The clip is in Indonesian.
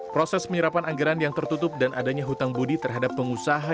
proses penyerapan anggaran yang tertutup dan adanya hutang budi terhadap pengusaha